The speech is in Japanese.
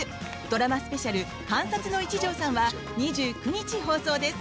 ドラマスペシャル「監察の一条さん」は２９日放送です。